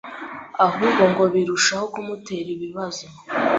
ahubwo ngo birushaho kumutera ibibazo